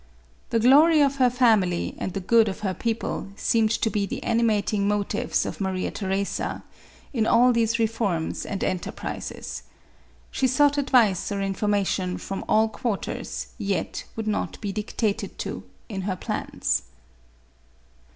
The glory of her family and the good of her people, seemed to be the animating motives of MARIA THERESA. 201 Maria Theresa, in all these reforms and enterprises. She sought advice or information from all quarters, yet would not be dictated to, in her plans.